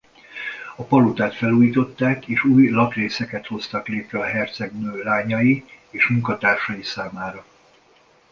A palotát felújították és új lakrészeket hoztak létre a hercegnő lányai és munkatársai számára.